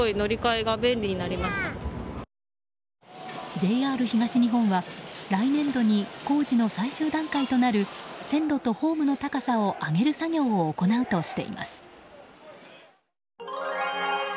ＪＲ東日本は来年度に、工事の最終段階となる線路とホームの高さを上げる作業を行うとしています。